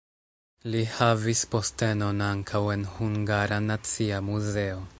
Li havis postenon ankaŭ en Hungara Nacia Muzeo.